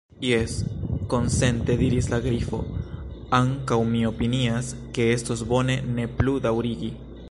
"Jes," konsente diris la Grifo, "ankaŭ mi opinias ke estos bone ne plu daŭrigi."